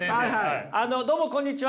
どうもこんにちは。